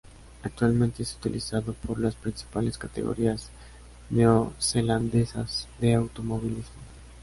Actualmente es utilizado por las principales categorías neozelandesas de automovilismo.